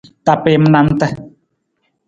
Tapiim nanta.